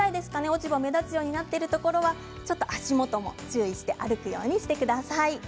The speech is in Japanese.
落ち葉が目立つようになっているところは足元も注意して歩くようにしてください。